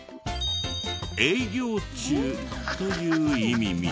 営業中という意味みたい。